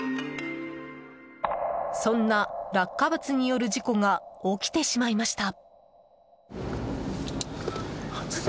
そんな落下物による事故が起きてしまいました。